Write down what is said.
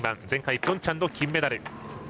前回ピョンチャンの金メダル。